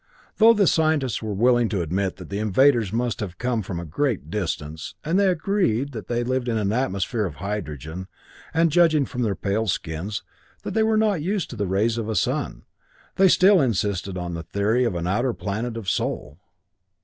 Though the scientists were willing to admit that the invaders must have come from a great distance, and they agreed that they lived in an atmosphere of hydrogen, and judging from their pale skins, that they were not used to the rays of a sun, they still insisted on the theory of an outer planet of Sol.